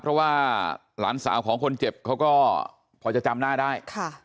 เพราะว่าหลานสาวของคนเจ็บเขาก็พอจะจำหน้าได้